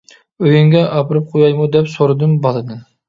-ئۆيۈڭگە ئاپىرىپ قويايمۇ؟ دەپ سورىدىم بالىدىن.